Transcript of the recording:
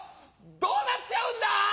どうなっちゃうんだ？